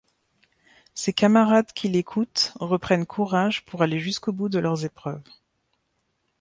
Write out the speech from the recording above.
Ses camarades qui l'écoutent reprennent courage pour aller jusqu'au bout de leurs épreuves.